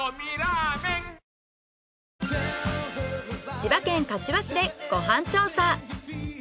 千葉県柏市でご飯調査。